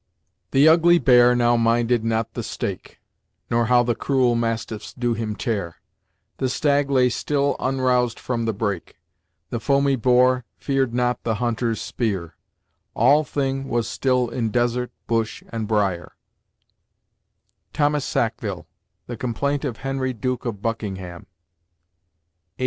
"The ugly bear now minded not the stake, Nor how the cruel mastiffs do him tear, The stag lay still unroused from the brake, The foamy boar feared not the hunter's spear: All thing was still in desert, bush, and briar:" Thomas Sackville; "The Complaint of Henry Duke of Buckingham," lxxxi.